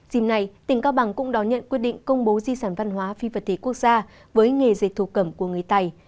dìm này tỉnh cao bằng cũng đón nhận quyết định công bố di sản văn hóa phi vật thể quốc gia với nghề dịch thủ cẩm của người tài